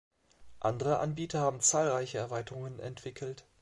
Andere Anbieter haben zahlreiche Erweiterungen entwickelt.